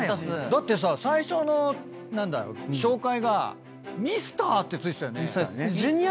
だって最初の紹介が「Ｍｒ．」って付いてたよね。